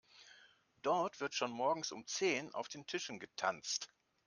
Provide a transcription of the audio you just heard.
Dort wird schon morgens um zehn auf den Tischen getanzt.